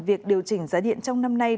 việc điều chỉnh giá điện trong năm nay